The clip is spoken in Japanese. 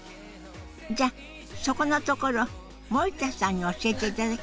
じゃあそこのところ森田さんに教えていただきましょう。